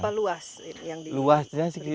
seberapa luas yang diberikan